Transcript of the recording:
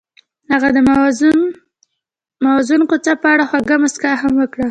هغې د موزون کوڅه په اړه خوږه موسکا هم وکړه.